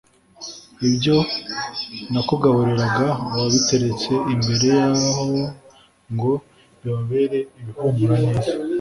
ibyo nakugaburiraga wabiteretse imbere yabo ngo bibabere ibihumura neza